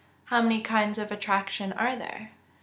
_How many kinds of attraction are there?